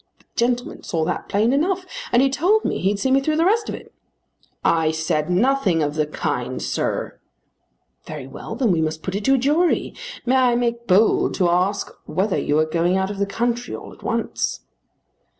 The gentleman saw that plain enough. And he told me he'd see me through the rest of it." "I said nothing of the kind, sir." "Very well. Then we must put it to a jury. May I make bold to ask whether you are going out of the country all at once?"